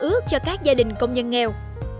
giúp đỡ cho các gia đình công nhân nghèo